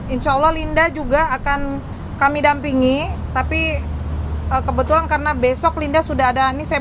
insyaallah linda juga akan kami dampingi tapi kebetulan karena besok linda sudah ada ini saya